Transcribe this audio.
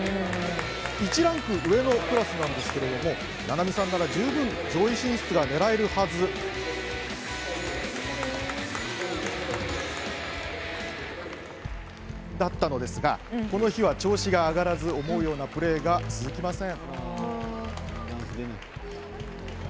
１ランク上のクラスですが菜々美さんなら十分、上位進出がねらえるはずだったのですがこの日は調子が上がらず思うようなプレーが続きません。